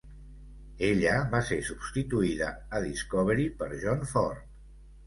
Ella va ser substituïda a Discovery per John Ford.